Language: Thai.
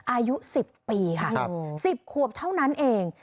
อายุ๑๐ปีค่ะ๑๐ขวบเท่านั้นเอง